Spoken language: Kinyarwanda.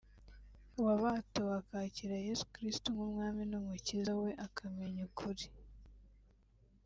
wabatuwe akakira Yesu Kristo nk’Umwami n’Umukiza we akamenya ukuri